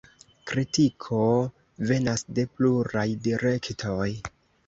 Kritiko venas de pluraj direktoj.